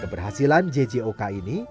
keberhasilan jjok ini